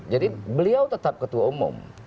jadi beliau tetap ketua umum